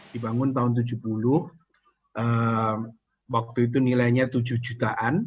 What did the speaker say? dibangun tahun tujuh puluh waktu itu nilainya tujuh jutaan